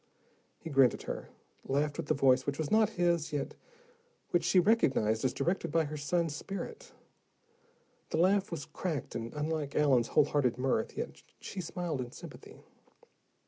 He grinned at her, laughed with the voice which was not his, yet which she recognized as directed by her son's spirit. The laugh was cracked and unlike Allen's whole hearted mirth, yet she smiled in sympathy.